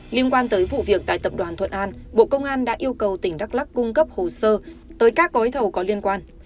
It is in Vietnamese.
liên quan tới vụ việc tại tập đoàn thuận an bộ công an đã yêu cầu tỉnh đắk lắc cung cấp hồ sơ tới các gói thầu có liên quan